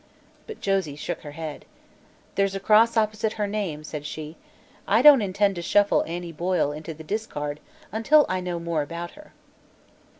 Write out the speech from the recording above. But Josie shook her head. "There's a cross opposite her name," said she. "I don't intend to shuffle Annie Boyle into the discard until I know more about her."